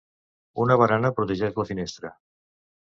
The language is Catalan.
Una barana protegeix la finestra.